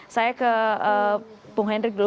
saya ke bung hendrik dulu